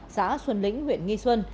xã xuân lĩnh huyện nghi xuân